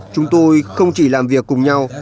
chúng tôi không chỉ làm việc cùng nhau